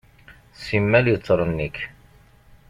Simmal yettṛennik.